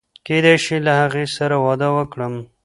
کېدای شي له هغې سره واده وکړم.